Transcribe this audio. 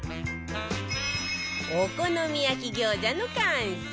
お好み焼き餃子の完成